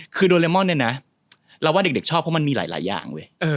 คือโดเรมอนเนี่ยนะเราว่าเด็กชอบเพราะมันมีหลายอย่างเว้ย